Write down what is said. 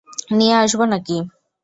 নিয়ে আসবো নাকি?